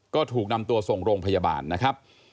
ก็ถูกนำตัวส่งโรงพยาบาลนะครับ